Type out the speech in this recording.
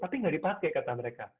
tapi nggak dipakai kata mereka